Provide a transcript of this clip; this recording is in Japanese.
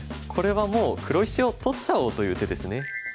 これはもう黒石を取っちゃおうという手ですね。